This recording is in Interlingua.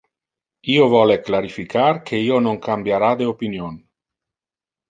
Io vole clarificar que io non cambiara de opinion.